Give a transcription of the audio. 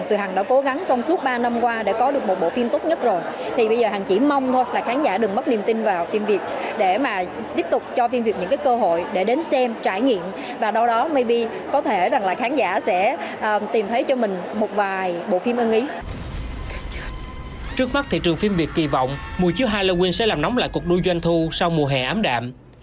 trước mắt thị trường phim việt kỳ vọng mùa chiếu halloween sẽ làm nóng lại cuộc đuôi doanh thu sau mùa hè ám đạm